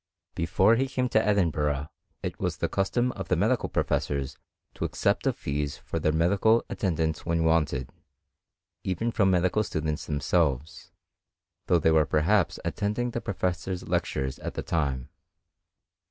Before he came to Edinburgh, it was the custom of the medical professors to accept of fees for their medical attendance when wanted, even from medical students themselves, though they were per haps attending the professor's lectures at the time.